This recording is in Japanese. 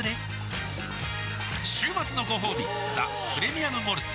週末のごほうび「ザ・プレミアム・モルツ」